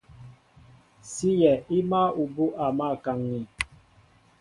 Síyɛ í máál ubú' a mǎl kaŋ̀ŋi.